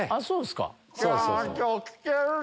そうですか。